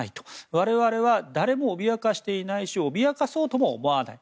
我々は誰も脅かしていないし脅かそうとも思わない。